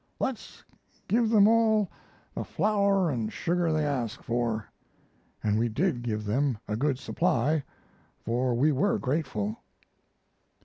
Let's give them all the flour and sugar they ask for." And we did give them a good supply, for we were grateful.